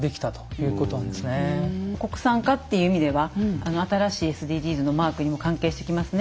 国産化っていう意味では新しいＳＤＧｓのマークにも関係してきますね。